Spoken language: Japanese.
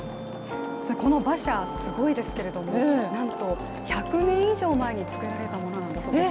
この馬車、すごいですけれどもなんと１００年以上前に作られたものだそうです。